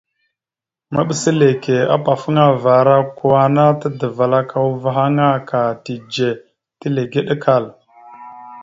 Maɓəsa eleke apafaŋva ara okko ana tadəval aka uvah aŋa ka tidze, tilegeɗəkal.